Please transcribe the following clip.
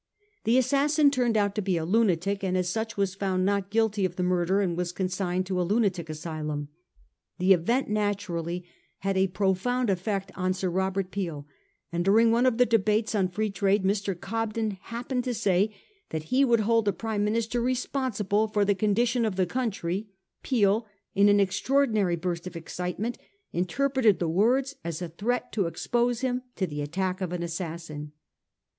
The assassin turned out to be a lunatic, and as such was found not guilty of the murder, and was consigned to a lunatic asy lum. The event naturally had a profound effect on Sir Robert Peel, and during one of the debates on Pree Trade Mr. Cobden happening to say that he would hold the Prime Minister responsible for the condition of the country, Peel, in an extraordinary burst of excitement, interpreted the words as a threat to expose him to the attack of an assassin.